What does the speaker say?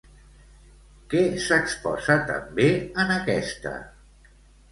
Què s'exposa també en aquesta?